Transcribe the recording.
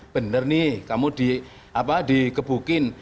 bener nih kamu dikebukin